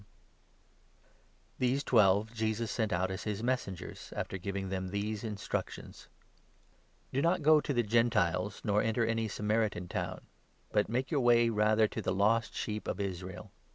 The Mission These twelve Jesus sent out as his Messengers, 5 of the twelve after giving them these instructions — Apostles. " Do not go to the Gentiles, nor enter any Samaritan town, but make your way rather to the lost sheep of Israel.